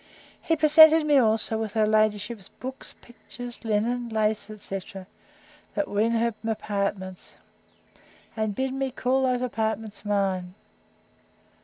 He presented me also with her ladyship's books, pictures, linen, laces, etc. that were in her apartments; and bid me call those apartments mine.